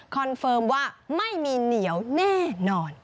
เฟิร์มว่าไม่มีเหนียวแน่นอน